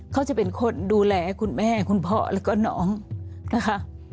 เขาจะเป็นคนดูแลคุณแม่คุณพ่อแล้วก็น้องนะคะ